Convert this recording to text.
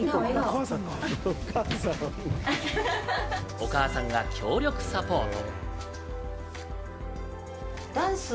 お母さんが強力サポート。